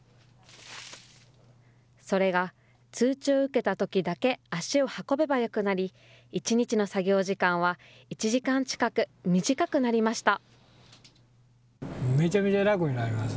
それが、通知を受けたときだけ足を運べばよくなり、１日の作業時間は１時間近く短くなりました。